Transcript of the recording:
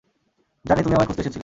জানি তুমি আমায় খুঁজতে এসেছিলে।